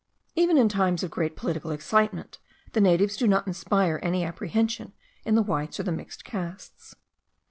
Even in times of great political excitement, the natives do not inspire any apprehension in the whites or the mixed castes.